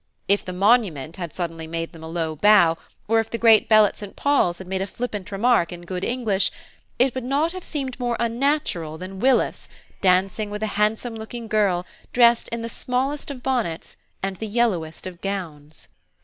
If the monument had suddenly made them a low bow, or if the great bell at St. Paul's had made a flippant remark in good English, it would not have seemed more unnatural than Willis dancing with a handsome looking girl dressed in the smallest of bonnets and the yellowest of gowns.